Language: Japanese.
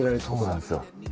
そうなんですよ。